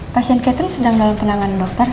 pasien catering sedang dalam penanganan dokter